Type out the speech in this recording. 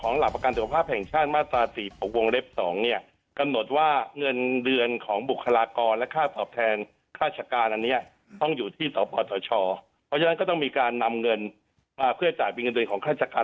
ในส่วนเงินเดือนแล้วก็ค่าตอบแทนของข้าราชการ